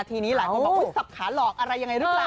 ทีนี้หลายคนบอกว่าสับขาหลอกอะไรยังไงหรือเปล่า